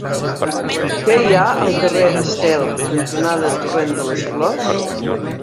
Què hi ha al carrer Estel cantonada Torrent de les Flors?